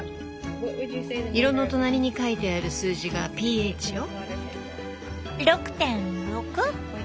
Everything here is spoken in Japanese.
色の隣に書いてある数字がｐＨよ。